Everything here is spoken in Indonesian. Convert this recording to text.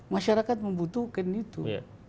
masyarakat membutuhkan itu